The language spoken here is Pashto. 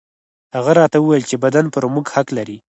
هغه راته وويل چې بدن پر موږ حق لري.